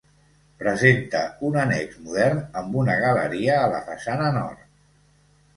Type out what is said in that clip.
Presenta un annex modern amb una galeria a la façana nord.